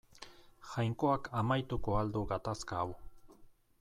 Jainkoak amaituko al du gatazka hau.